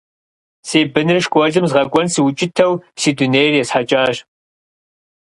Си быныр школым згъэкӀуэн сыукӀытэу си дунейр есхьэкӀащ.